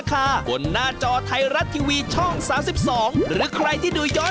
ราคาอยู่ที่